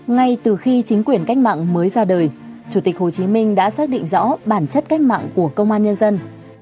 ngay từ khi chính quyền cách mạng mới ra đời chủ tịch hồ chí minh đã xác định rõ bản chất cách mạng của công an nhân dân